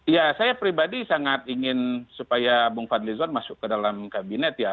ya saya pribadi sangat ingin supaya bung fadlizon masuk ke dalam kabinet ya